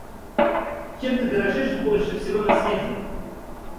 Чем ты дорожишь больше всего на свете?